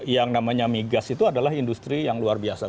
yang namanya migas itu adalah industri yang luar biasa